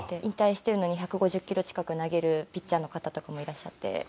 引退してるのに１５０キロ近く投げるピッチャーの方とかもいらっしゃって。